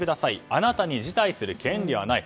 あなたに辞退する権利はない。